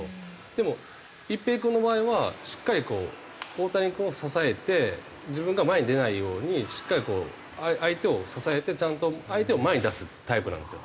でも一平君の場合はしっかりこう大谷君を支えて自分が前に出ないようにしっかりこう相手を支えてちゃんと相手を前に出すタイプなんですよ。